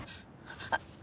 あっ